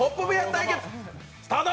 対決スタート！